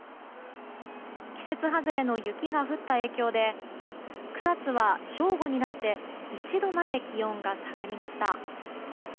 季節外れの雪が降った影響で草津は正午になって１度まで気温が下がりました。